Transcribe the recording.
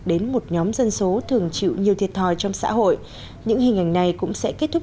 đến một nhóm dân số thường chịu nhiều thiệt thòi trong xã hội những hình ảnh này cũng sẽ kết thúc